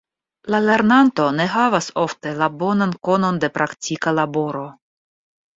La lernanto ne havas ofte la bonan konon de praktika laboro.